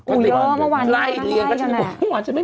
อุ้ยเยอะเมื่อวานไม่มีแขกรับเชิญไง